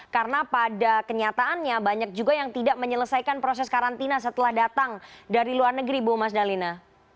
karena pada kenyataannya banyak juga yang tidak menyelesaikan proses karantina setelah datang dari luar negeri bu mas dalina